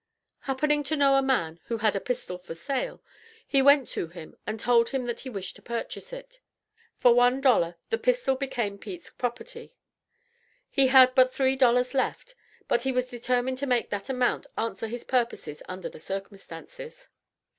Happening to know a man who had a pistol for sale, he went to him and told him that he wished to purchase it. For one dollar the pistol became Pete's property. He had but three dollars left, but he was determined to make that amount answer his purposes under the circumstances.